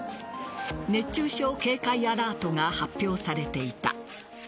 熱中症警戒アラートが発表されていた。